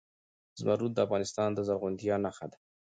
زمرد د افغانستان د زرغونتیا نښه ده.